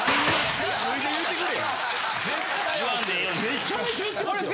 めちゃめちゃ言ってますよ。